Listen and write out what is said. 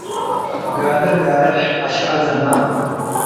ጋድር ጋርሕ - አሽዐል ዘናብ